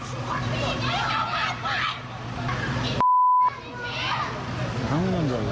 เห็นจังหามมากเลย